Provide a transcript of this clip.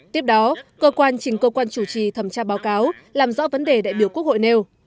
tiếp đó cơ quan trình cơ quan chủ trì thẩm tra báo cáo làm rõ vấn đề đại biểu quốc hội nêu